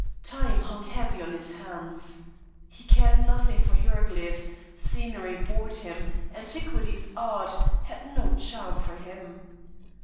Time hung heavy on his hands. He cared nothing for hieroglyphics, scenery bored him, antiquities, art, had no charm for him.